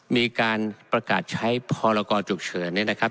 มีการประกาศใช้พรกรฉุกเฉินเนี่ยนะครับ